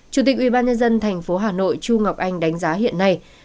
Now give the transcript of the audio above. chủ tịch ubnd tp hà nội chu ngọc anh đánh giá hiện nay